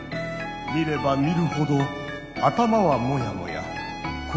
見れば見るほど頭はモヤモヤ心もモヤモヤ。